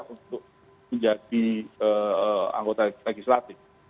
untuk menjadi anggota legislatif